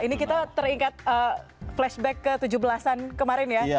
ini kita teringat flashback ke tujuh belasan kemarin ya